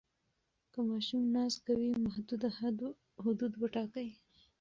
که ماشوم ناز کوي، محدوده حدود وټاکئ.